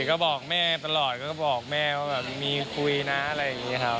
ก็บอกแม่ตลอดบอกแม่ว่ามีคุยนะอะไรแบบนี้ครับ